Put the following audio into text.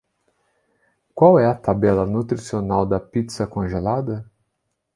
Qual é a tabela nutricional da pizza congelada?